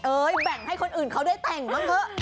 แบ่งให้คนอื่นเขาได้แต่งบ้างเถอะ